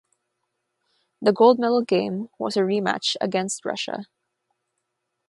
The gold medal game was a rematch against Russia.